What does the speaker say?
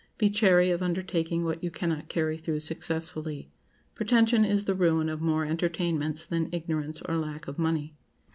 Be chary of undertaking what you cannot carry through successfully. Pretension is the ruin of more entertainments than ignorance or lack of money.